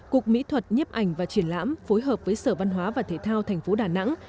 cục mỹ thuật nhếp ảnh và triển lãm phối hợp với sở văn hóa và thể thao thành phố đà nẵng